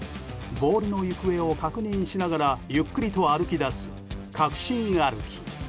ボールの行方を確認しながらゆっくりと歩きだす確信歩き。